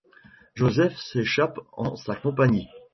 Joseph s'échappe en sa compagnie.